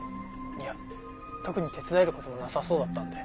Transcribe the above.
いや特に手伝える事もなさそうだったので。